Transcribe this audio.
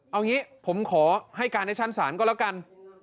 เอางี้ผมขอให้การในชั้นศาลก็แล้วกัน